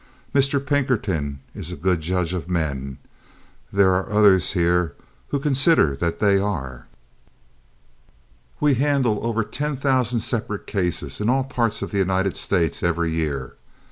Mr. Pinkerton is a good judge of men. There are others here who consider that they are. We handle over ten thousand separate cases in all parts of the United States every year.